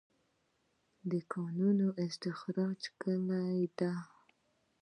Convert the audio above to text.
د کانونو استخراج کلي ده؟